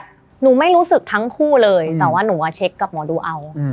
หนูไม่รู้สึกทั้งคู่เลยแต่ว่าหนูเช็คกับหมอดูเอา